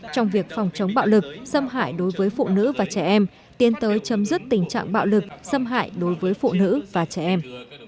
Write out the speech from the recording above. trong việc phòng chống bạo lực xâm hại đối với phụ nữ và trẻ em tiến tới chấm dứt tình trạng bạo lực xâm hại đối với phụ nữ và trẻ em